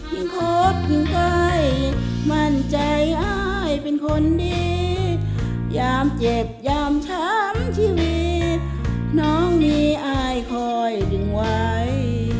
คดถึงใกล้มั่นใจอายเป็นคนดียามเจ็บยามช้ำชีวิตน้องมีอายคอยดึงไว้